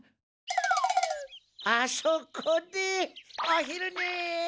あそこでお昼ね！